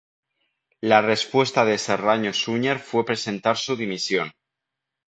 La respuesta de Serrano Suñer fue presentar su dimisión.